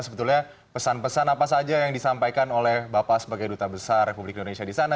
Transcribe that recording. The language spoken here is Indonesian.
sebetulnya pesan pesan apa saja yang disampaikan oleh bapak sebagai duta besar republik indonesia di sana